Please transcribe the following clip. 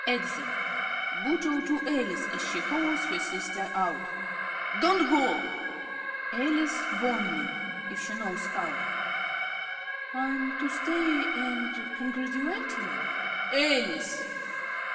(Exit.) ~Bootle~ (to Alice, as she follows her sister out). Don't go! ~Alice~ (wanly, if she knows how). Am I to stay and congratulate you? ~Bootle.~ Alice!